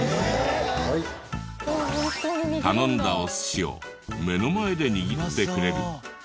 頼んだお寿司を目の前で握ってくれる。